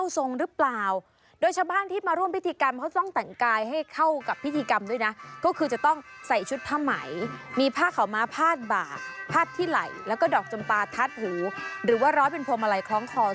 เสียงแขนและกล่อง